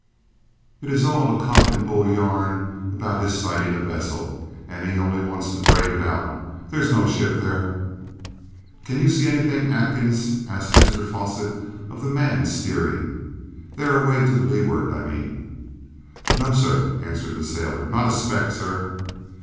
It is all a cock and a bull yarn about his sighting a vessel, and he only wants to brave it out. There's no ship there!" "Can you see anything, Atkins?" asked Mr Fosset of the man steering. "There away to leeward, I mean." "No, sir," answered the sailor; "not a speck, sir."